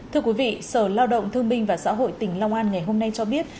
thưa quý vị sở lao động thương minh và xã hội tỉnh long an ngày hôm nay cho biết